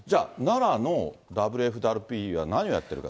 じゃあ、奈良のＷＦＷＰは、何をやってるか。